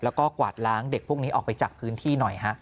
แล้วก็กวาดล้างเด็กพวกนี้ออกไปจากพื้นที่หน่อยฮะ